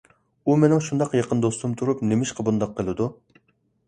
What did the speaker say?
ئۇ مېنىڭ شۇنداق يېقىن دوستۇم تۇرۇپ، نېمىشقا بۇنداق قىلىدۇ؟